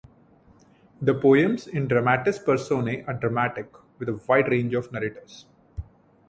The poems in "Dramatis Personae" are dramatic, with a wide range of narrators.